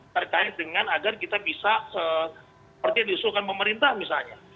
terkait dengan agar kita bisa seperti yang diusulkan pemerintah misalnya